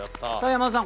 山田さん